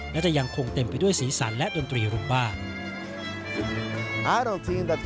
และจะยังคงเต็มไปด้วยศีรษรศึกษ์งานและดนตรีหลุงบ้าน